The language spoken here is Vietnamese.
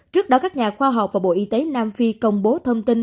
trước đó các nhà khoa học và bộ y tế nam phi công bố thông tin